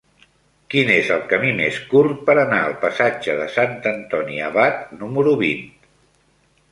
Quin és el camí més curt per anar al passatge de Sant Antoni Abat número vint?